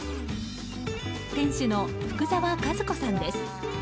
店主の福澤和子さんです。